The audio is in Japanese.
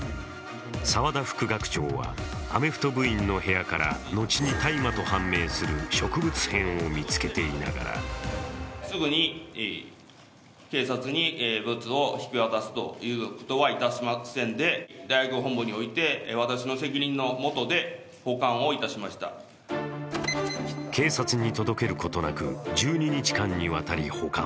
澤田副学長はアメフト部員の部屋から後に大麻と判明する植物片を見つけていながら警察に届けることなく、１２日間にわたり保管。